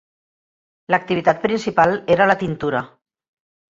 L'activitat principal era la tintura.